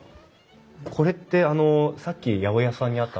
これってあのさっき八百屋さんにあった。